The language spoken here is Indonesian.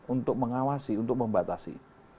untuk mengawasi untuk membatasi